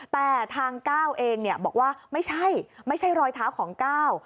แต่ทางก้าวเองเนี่ยบอกว่าไม่ใช่ไม่ใช่รอยเท้าของก้าว